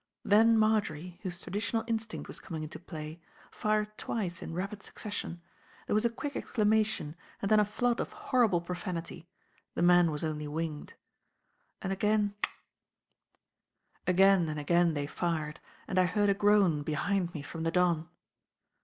Then Marjory, whose traditional instinct was coming into play, fired twice in rapid succession; there was a quick exclamation and then a flood of horrible profanity, the man was only winged. Again and again they fired, and I heard a groan behind me from the Don.